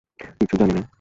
কিচ্ছু জানি নে।